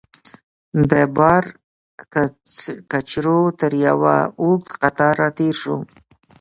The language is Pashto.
د بار کچرو تر یوه اوږد قطار راتېر شوو.